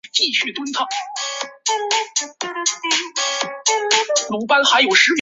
须后水是男性在剃须之后于剃过的部位涂的一种液体。